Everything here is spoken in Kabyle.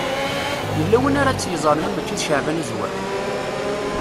Yella win ara tt-yeẓren ma mačči d Caɛban Azwaw?